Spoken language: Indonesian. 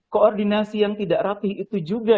koordinasi yang tidak rapih itu juga